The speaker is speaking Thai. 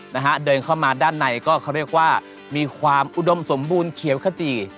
นะฮะเดินเข้ามาด้านในก็เขาเรียกว่ามีความอุดมสมบูรณ์เขียวขจี